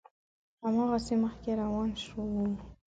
هماغسې مخکې روان و.